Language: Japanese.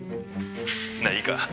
なあいいか？